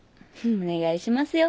お願いしますよ。